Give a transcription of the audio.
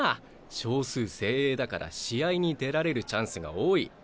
少数精鋭だから試合に出られるチャンスが多い。